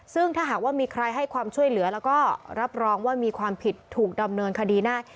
ซึ่งถ้าเหาก็มีใครให้ความช่วยเหลือและรับรองมีความผิดถูกดำเนินคดีน่า